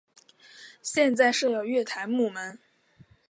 现在设有月台幕门。